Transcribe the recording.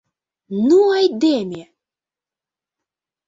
Ну айдеме!..